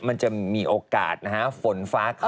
มันจะมีโอกาสฝนฟ้าขนอง